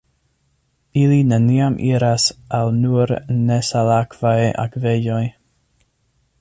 Ili neniam iras al nur nesalakvaj akvejoj.